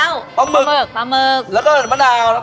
น้องแจ๊กขาไม่ต้องขนาดนั้น